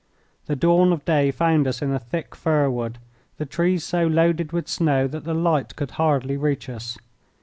The dawn of day found us in a thick fir wood, the trees so loaded with snow that the light could hardly reach us.